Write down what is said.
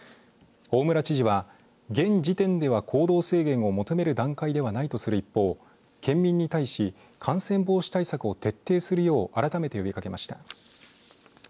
大村知事は現時点では行動制限を求める段階ではないとする一方、県民に対し感染防止対策を徹底するよう改めて呼びかけました。